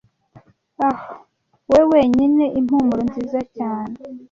ah wowe wenyine impumuro nziza cyane